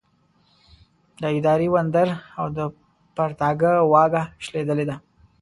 د اداري وندر او د پرتاګه واګه شلېدلې ده.